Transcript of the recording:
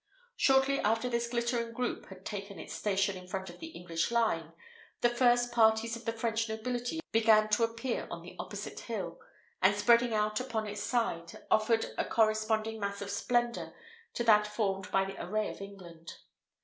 Shortly after this glittering group had taken its station in front of the English line, the first parties of the French nobility began to appear on the opposite hill, and spreading out upon its side, offered a corresponding mass of splendour to that formed by the array of England.